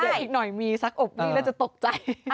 อย่าพูดอีกหน่อยมีซักบริแล้วจะตกใจ